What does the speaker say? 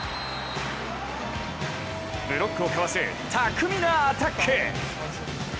ブロックをかわす巧みなアタック。